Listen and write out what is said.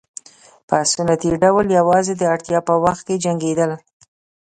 په سنتي ډول یوازې د اړتیا په وخت کې جنګېدل.